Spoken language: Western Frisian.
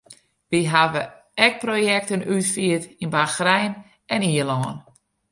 Wy hawwe ek projekten útfierd yn Bachrein en Ierlân.